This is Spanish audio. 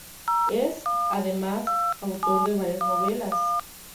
Es, además, autor de varias novelas.